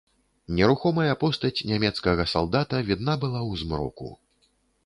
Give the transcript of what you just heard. Нерухомая постаць нямецкага салдата відна была ў змроку.